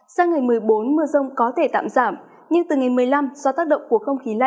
sang ngày một mươi bốn mưa rông có thể tạm giảm nhưng từ ngày một mươi năm do tác động của không khí lạnh